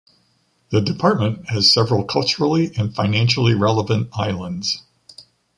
The department has several culturally and financially relevant islands.